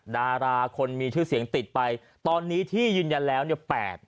ดาราคนมีชื่อเสียงติดไปตอนนี้ที่ยืนยันแล้วเนี่ย